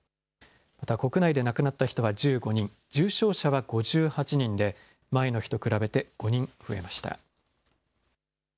また、国内で亡くなった人は１５人、重症者は５８人で、前の日と比べて５人増えました。